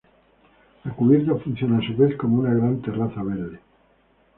La cubierta funciona a su vez como una gran terraza verde.